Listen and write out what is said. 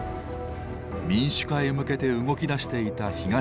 民主化へ向けて動きだしていた東側諸国。